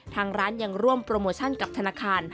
ทางร้านยังร่วมโปรโมชั่นกับธนาคาร